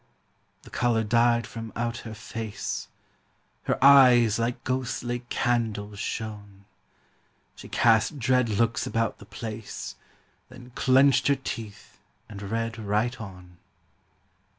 The colour died from out her face, Her eyes like ghostly candles shone; She cast dread looks about the place, Then clenched her teeth and read right on.